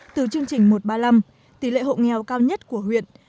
từ chương trình một trăm ba mươi năm tỷ lệ hộ nghèo cao nhất của huyện